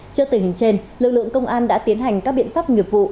trước tình hình trên lực lượng công an đã tiến hành các biện pháp nghiệp vụ